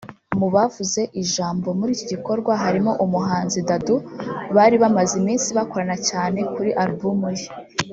Mu bavuze ijambo muri iki gikorwa harimo umuhanzi Dadu bari bamaze iminsi bakorana cyane kuri album ye